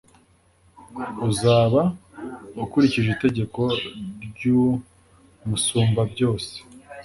uzaba ukurikije itegeko ry’Umusumbabyose.